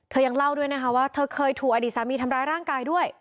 ยังเล่าด้วยนะคะว่าเธอเคยถูกอดีตสามีทำร้ายร่างกายด้วย